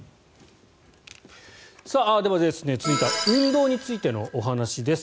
では、続いては運動についてのお話です。